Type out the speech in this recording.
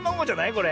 これ。